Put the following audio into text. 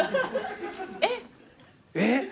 えっ！？えっ！？